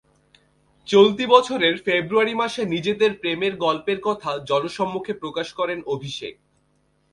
চলতি বছরের ফেব্রুয়ারি মাসে নিজেদের প্রেমের গল্পের কথা জনসমক্ষে প্রকাশ করেন অভিষেক।